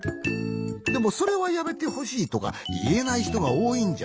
でもそれはやめてほしいとかいえないひとがおおいんじゃ。